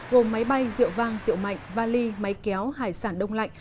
gồm máy bay rượu vang rượu mạnh vali máy kéo hải sản đông lạnh